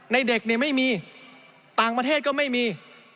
เด็กเนี่ยไม่มีต่างประเทศก็ไม่มี